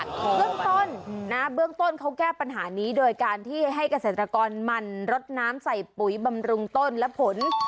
เบื้องต้นนะเบื้องต้นเขาแก้ปัญหานี้โดยการที่ให้เกษตรกรมันรดน้ำใส่ปุ๋ยบำรุงต้นและผล